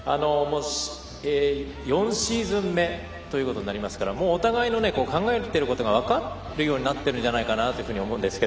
４シーズン目ということになりますからお互いの考えることが分かるようになってるんじゃないかなと思うんですが。